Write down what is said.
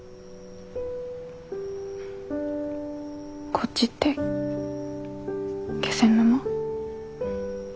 こっちって気仙沼？